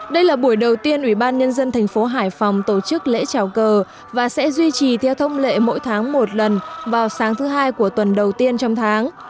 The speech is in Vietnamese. đây là buổi đầu tiên ubnd tp hải phòng tổ chức lễ trào cờ và sẽ duy trì theo thông lệ mỗi tháng một lần vào sáng thứ hai của tuần đầu tiên trong tháng